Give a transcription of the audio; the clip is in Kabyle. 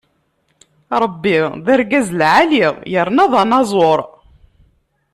Ṛebbi d argaz lɛali yerna d anaẓur.